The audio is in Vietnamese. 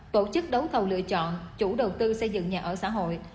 tổ chức đấu thầu lựa chọn chủ đầu tư xây dựng nhà ở xã hội